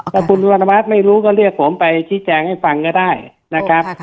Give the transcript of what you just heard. ถ้าคุณวรรณวัฒน์ไม่รู้ก็เรียกผมไปชี้แจงให้ฟังก็ได้นะครับ